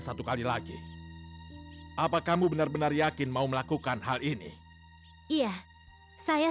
sampai jumpa di video selanjutnya